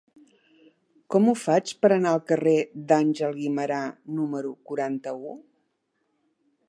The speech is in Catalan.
Com ho faig per anar al carrer d'Àngel Guimerà número quaranta-u?